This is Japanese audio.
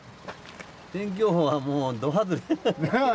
天気予報はもうど外れ。